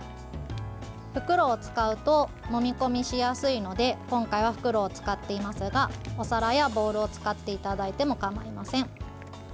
袋を使うともみ込みしやすいので今回は袋を使っていますがお皿やボウルを使っていただいてもかまいません。